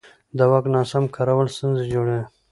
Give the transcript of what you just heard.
د واک ناسم کارول ستونزې جوړوي